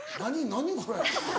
何これ。